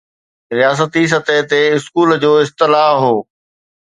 رياستي سطح تي اسڪول جو اصطلاح هو